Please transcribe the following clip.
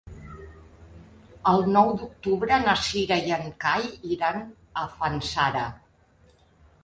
El nou d'octubre na Cira i en Cai iran a Fanzara.